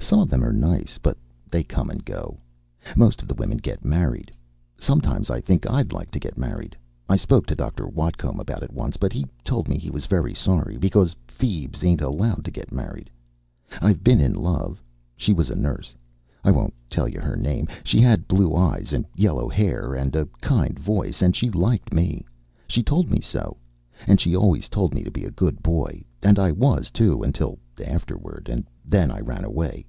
Some of them are nice. But they come and go. Most of the women get married. Sometimes I think I'd like to get married. I spoke to Dr. Whatcomb about it once, but he told me he was very sorry, because feebs ain't allowed to get married. I've been in love. She was a nurse. I won't tell you her name. She had blue eyes, and yellow hair, and a kind voice, and she liked me. She told me so. And she always told me to be a good boy. And I was, too, until afterward, and then I ran away.